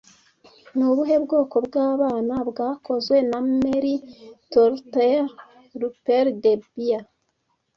Ni ubuhe bwoko bw'abana bwakozwe na Mary Tourtel Rupert the Bear